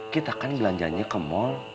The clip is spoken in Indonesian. kita kan belanjanya ke mall